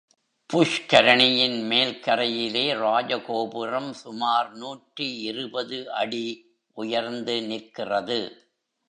புஷ்கரணியின் மேல் கரையிலே ராஜகோபுரம் சுமார் நூற்றி இருபது அடி உயர்ந்து நிற்கிறது.